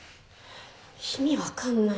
意味わかんない。